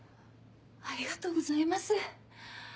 ありがとうございます。